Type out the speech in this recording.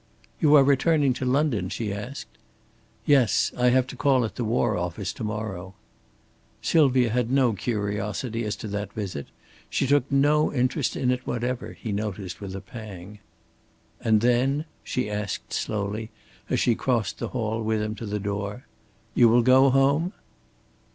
"You are returning to London?" she asked. "Yes. I have to call at the War Office to morrow." Sylvia had no curiosity as to that visit. She took no interest in it whatever, he noticed with a pang. "And then?" she asked slowly, as she crossed the hall with him to the door. "You will go home?"